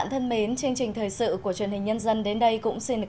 thời sự của truyền hình nhân dân đến đây cũng xin kết thúc